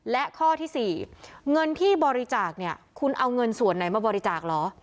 และข้อที่๔เงินที่บริจาคเนี่ยคุณเอาเงินส่วนไหนมาบริจาคเหรอ